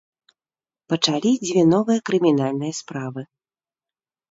Пачалі дзве новыя крымінальныя справы.